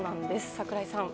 櫻井さん。